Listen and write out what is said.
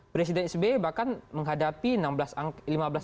presiden sbe bahkan menghadapi lima belas angket ya